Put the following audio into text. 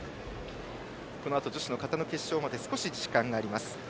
女子の形の決勝まで少し時間があります。